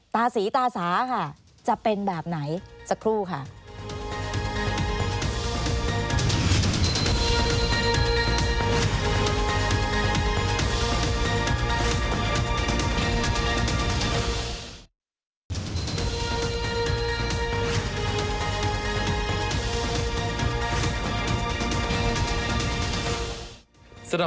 ตาศรีตาสาค่ะจะเป็นแบบไหนสักครู่ค่ะ